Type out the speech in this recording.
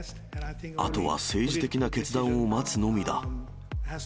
あとは政治的な決断を待つのみだ。